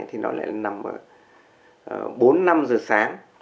thì nó lại nằm ở bốn năm giờ sáng